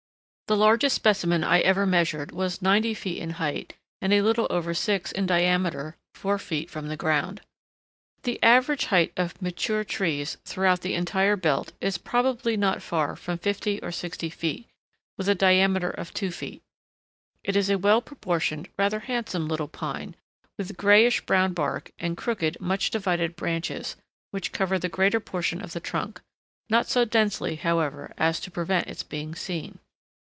The largest specimen I ever measured was ninety feet in height, and a little over six in diameter four feet from the ground. The average height of mature trees throughout the entire belt is probably not far from fifty or sixty feet, with a diameter of two feet. It is a well proportioned, rather handsome little pine, with grayish brown bark, and crooked, much divided branches, which cover the greater portion of the trunk, not so densely, however, as to prevent its being seen.